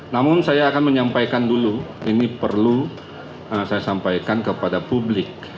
namun saya akan menyampaikan dulu ini perlu saya sampaikan kepada publik